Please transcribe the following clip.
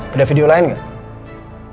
ada video lain gak